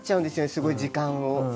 すごい時間を。